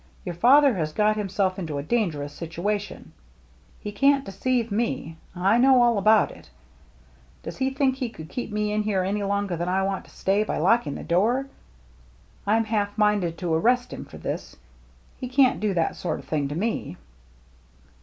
Your father has got himself into a dangerous situation. He can't deceive me. I know all about it. Does he think he could keep me in here any THE GINGHAM DRESS 285 longer than I want to stay by locking the door ? I'm half minded to arrest him for this. He can't do that sort o' thing to me